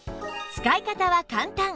使い方は簡単